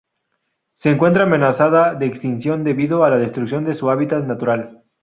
Se encuentra amenazada de extinción debido a la destrucción de su hábitat natural.